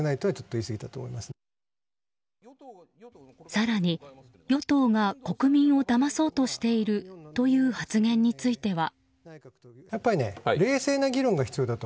更に与党が国民をだまそうとしているという発言については。